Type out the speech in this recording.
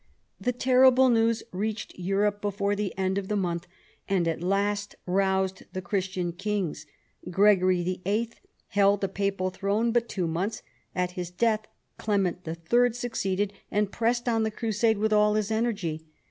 The terrible news reached Europe before the end of the month, and at last roused the Christian kings. Gregory VIII. held the papal throne but two months. At his death Clement III. succeeded, and pressed on the crusade with all his energy.